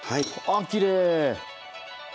あきれい！